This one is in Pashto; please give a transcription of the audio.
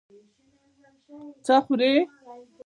څه خوړې؟